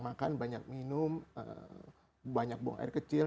makan banyak minum banyak buang air kecil